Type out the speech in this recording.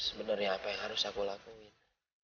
sebenarnya apa yang harus aku lakuin